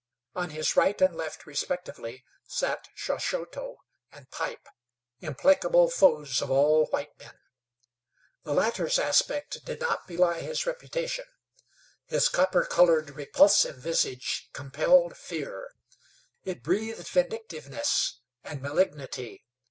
On his right and left, respectively, sat Shaushoto and Pipe, implacable foes of all white men. The latter's aspect did not belie his reputation. His copper colored, repulsive visage compelled fear; it breathed vindictiveness and malignity.